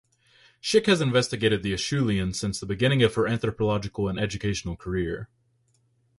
Schick has investigated the acheulean since the beginning of her anthropological and educational career.